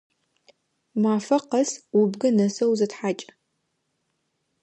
Мафэ къэс убгы нэсэу зытхьакӏ!